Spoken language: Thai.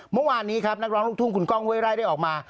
เมื่อวานนี้ครับนักร้องลูกทุ่งคุณก้องเว้ไร่ได้ออกมา